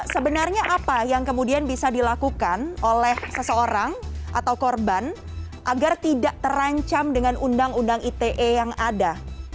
sebenarnya apa yang kemudian bisa dilakukan oleh seseorang atau korban agar tidak terancam dengan undang undang ite yang ada